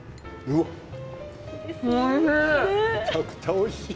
おいしい。